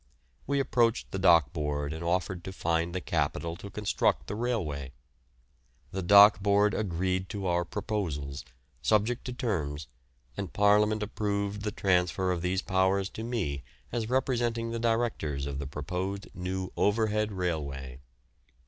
We approached the Dock Board and offered to find the capital to construct the railway. The Dock Board agreed to our proposals, subject to terms, and Parliament approved of the transfer of these powers to me as representing the directors of the proposed new Overhead Railway.